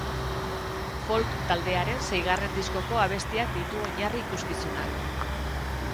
Folk taldearen seigarren diskoko abestiak ditu oinarri ikuskizunak.